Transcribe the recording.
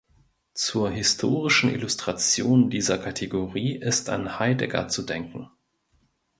Zur historischen Illustration dieser Kategorie ist an Heidegger zu denken.